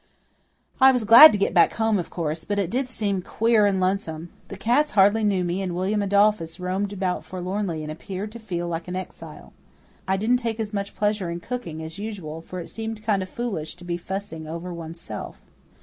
I was glad to get back home, of course; but it did seem queer and lonesome. The cats hardly knew me, and William Adolphus roamed about forlornly and appeared to feel like an exile. I didn't take as much pleasure in cooking as usual, for it seemed kind of foolish to be fussing over oneself.